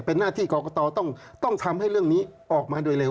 เป็นหน้าที่กรกตต้องทำให้เรื่องนี้ออกมาโดยเร็ว